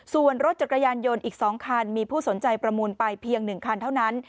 ส่วนรถจักรยานยนต์อีก๒คันมีผู้สนใจประมูลไปเพียง๑คันเท่านั้น